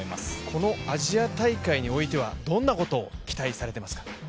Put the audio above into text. このアジア大会においてはどんなことを期待されていますか？